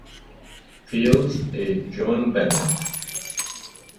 Fields e Joan Bennett.